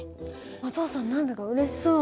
お父さん何だかうれしそう。